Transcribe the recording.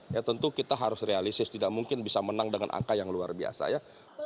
ya tentu kita harus realistis tidak mungkin bisa menang dengan angka yang luar biasa ya